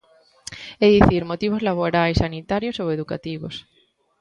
É dicir, motivos laborais, sanitarios ou educativos.